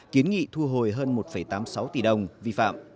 kiến nghị thu hồi hơn một tám mươi sáu tỷ đồng vi phạm